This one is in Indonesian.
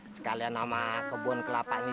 sekalian nama kebun kelapa ini